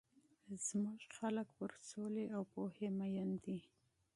زموږ خلک پر سولي او پوهي مۀين دي.